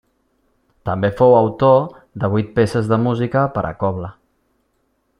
També fou autor de vuit peces de música per a cobla.